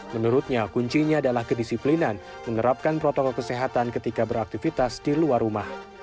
menurutnya kuncinya adalah kedisiplinan menerapkan protokol kesehatan ketika beraktivitas di luar rumah